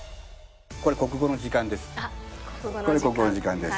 これ国語の時間です。